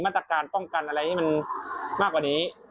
มาตรการป้องกันอะไรให้มันมากกว่านี้